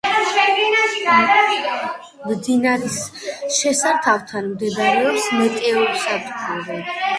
მდინარის შესართავთან მდებარეობს მეტეოსადგური.